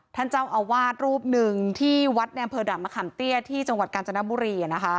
ท่านเจ้าเอาวาดรูปหนึ่งที่วัดแนมเผอดับมะขำเตี้ยที่จังหวัดกาญจนบุรีอ่ะนะคะ